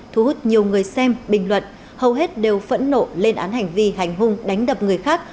thu hút nhiều người xem bình luận hầu hết đều phẫn nộ lên án hành vi hành hung đánh đập người khác